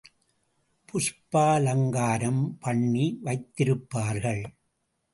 புஷ்பாலங்காரம் பண்ணி வைத்திருப்பார்கள்.